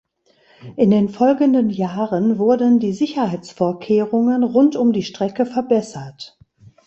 In den folgenden Jahren wurden die Sicherheitsvorkehrungen rund um die Strecke verbessert.